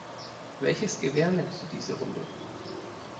Welches Gewehr nimmst du diese Runde?